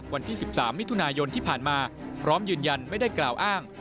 วันที่๑๓มิถุนายนที่ผ่านมาพร้อมยืนยันไม่ได้กล่าวอ้าง